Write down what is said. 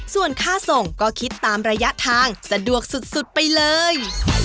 ส่วนค่าส่งก็คิดตามระยะทางสะดวกสุดไปเลย